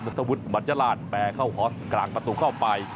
ทวุฒิบัญญราชแปรเข้าฮอสกลางประตูเข้าไป